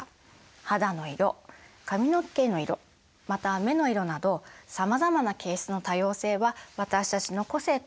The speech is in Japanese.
肌の色髪の毛の色また目の色などさまざまな形質の多様性は私たちの個性となっています。